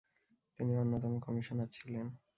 তিনি অন্যতম কমিশনার ছিলেন।